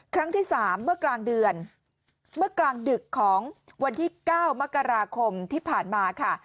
ครั้งที่สามเมื่อกลางเดือนเมื่อกลางดึกของวันที่๙มกราคมที่ผ่านมาค่ะ